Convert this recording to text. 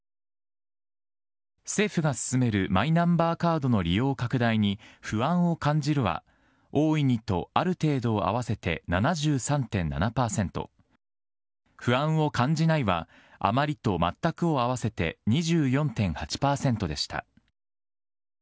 政府が進めるマイナンバーカードの利用拡大に不安を感じるは、大いにとある程度を合わせて７３．７％、不安を感じないは、あまりとまったくを合わせて２４．８％でした。